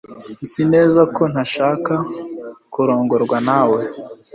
Nzi neza ko ntashaka kurongorwa nawe